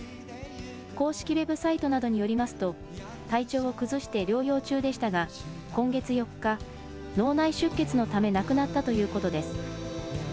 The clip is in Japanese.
公式ウェブサイトなどによりますと、体調を崩して療養中でしたが今月４日、脳内出血のため亡くなったということです。